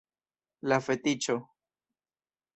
La fetiĉo!